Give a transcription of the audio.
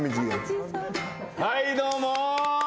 はいどうも。